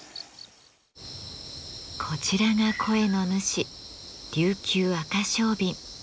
こちらが声の主リュウキュウアカショウビン。